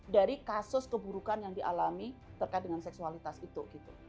dari kasus keburukan yang dialami terkait dengan seksualitas itu